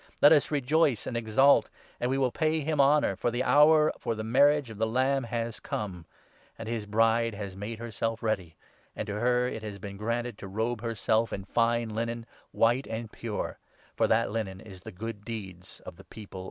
Let us rejoice and exult ; and we 7 will pay him honour, for the hour for the Marriage of the Lamb has come, and his Bride has made her self ready. And to her it has been granted to robe 8 herself in fine linen, white and pure, for that linen is the good deeds of the People of Christ.' *> Dcut. 33.